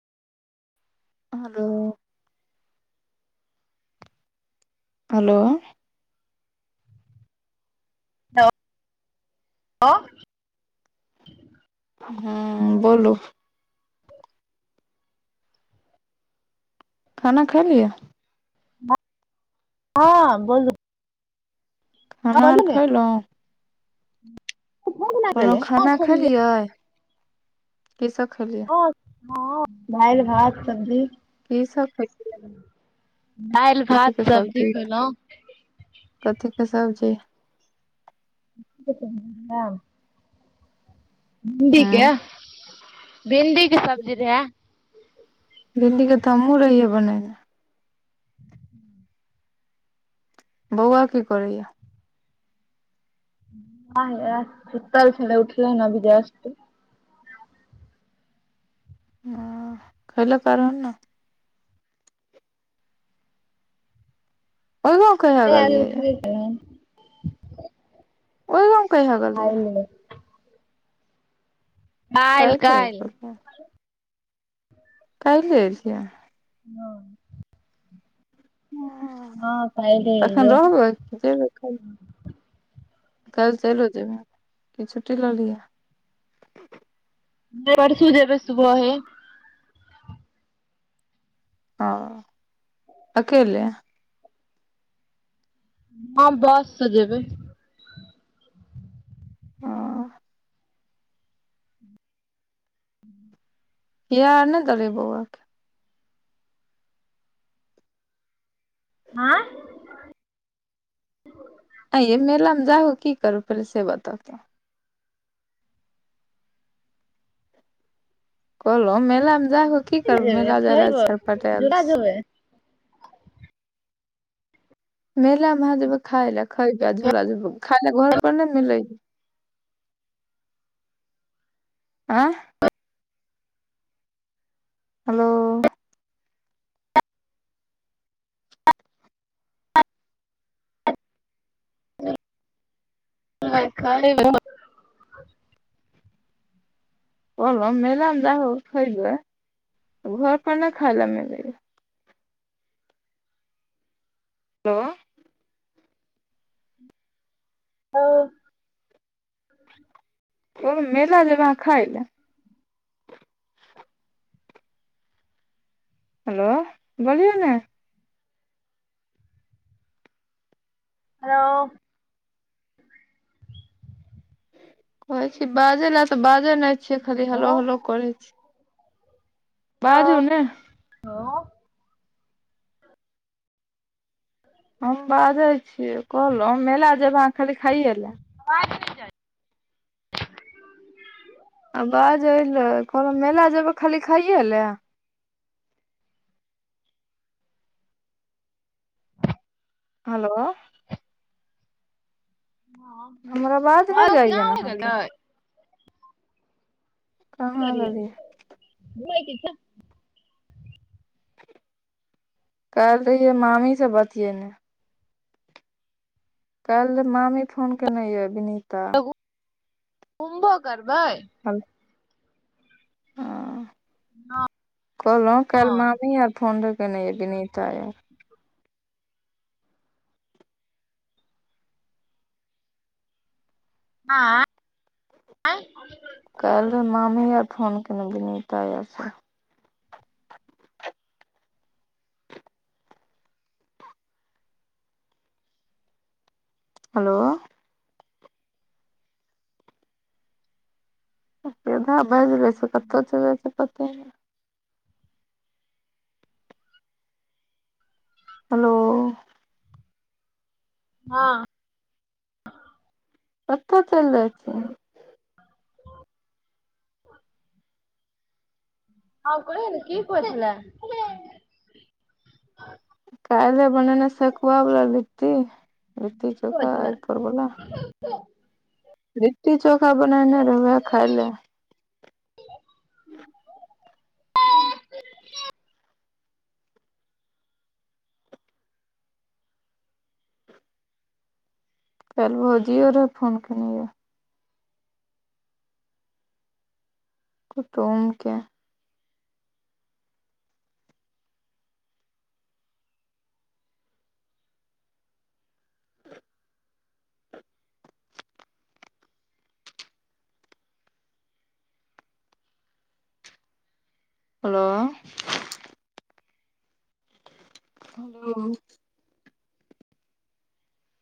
हो [unintelligible] [inaudible] hello hello hello हाँ बोलू खाना खै लियै हाँ बोलू हँ खाना आर बोलू ने खयलौ खाना खेलियै [unintelligible] की सब खेलियै हँ दाल भात सब्जी की सब खेलियै दालि कथि भात के सब्जी खेलौं कथि के सब्जी [inaudible] हँ भिंडीके भिणडीके सब्जी रहै भिणडी के तऽ हमहुँ रहिै बनेने बौआ की करया [unintelligible] सुतल छलय उठलय हन अभी जस्ट ह खइलअ कारन न। ओहि गाँव कहिया गेलियै या [inaudible] ओहि गाम कैहा गेलिय काल्हि आयल काल्हि कायल काइले [unintelligible] हँ काल्हि तखन एलियै रहबै कि जेबै काल्हि चइलो जेयबै कि छुट्टी लऽ लि नहि परसू जेबय सुबहे हँ अकेले हँ बस सँ जेबै ओ खीरा यार नै देलही बौआके आँ इ आ ये मेलामे जाहो क की करबै पहले से बताउ त कहलहु मेलामे जा कऽ की ले करबै जेबै मेला जाय लए खैबै छटपटायल जूड़ा छी जेबै मेला में अहा जेबय खाय ल खायबै आ झूला झुलबय खायल घर पर ने मिलै [inaudible] आँ हेलो [inaudible] कहलौं मेलामे जा कर खइबै घर पर नइ खाइलय मिलय य हो लो हँ ओ मेला जेबै अहाँ खाइ लए हेलो बोलियौ ने हेलो कहै छी बाजै लए तऽ बाजै नहि छियै खाली हलो हेलो हलो करै छी बाजू ने हेलो हम बाजै छीयै कहलहुँ मेला जेबय अहाँ खाली खाइए लए जाय [unintelligible] आ बाजय लै कहलहुं मेला जेबै खाली खाइए लए हेलो हमर अवाज ने घरो किरान जाइअ हो अहाँके गेलै की कहाँ करिये गेलियै नै किछो [unintelligible] काईल रहियै मामी सँ बतियेने काल्हि मामी फोन केयने यए विनीता तऽ घुमबो करबै हँ कहलहु काल्हि हँ मामी आर फोन रहै केने विनीता यार आँय काल्हि रहै मामी आर फोन केने विनीता आर सँ हेलो [unintelligible] सीधा बाईज लय छय कत्तअ चल जाइ छै कते ने हेलो हँ कतऽ चलि जाइ छै हँ कहियौ ने की कहै छलै कायल बनान सकुबल बिति [unintelligible] लिट्टी चोखा आग पर बला न [inaudible] लिट्टी चोखा बनैने रहियै खाइले आ [inaudible] काल्हि भौजीयो रहै फोन कैने यै कुटुमके हेलो हेलो